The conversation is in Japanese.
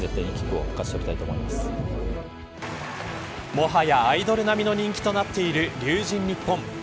もはや、アイドル並みの人気となっている龍神ＮＩＰＰＯＮ。